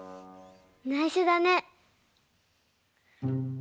ないしょだね。